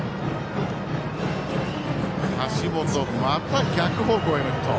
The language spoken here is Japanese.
橋本、また逆方向へのヒット。